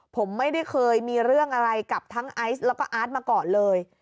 ผมไม่ได้เคยมีเรื่องอะไรกับทั้งไอซ์แล้วก็อาร์ตมาก่อนเลย